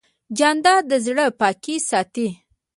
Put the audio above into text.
جانداد د زړه پاکي ساتي.